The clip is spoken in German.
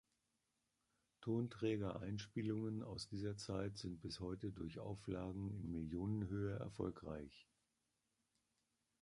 Tonträger-Einspielungen aus dieser Zeit sind bis heute durch Auflagen in Millionenhöhe erfolgreich.